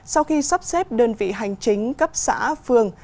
sau khi sắp xếp đơn vị hành chính cấp xã phường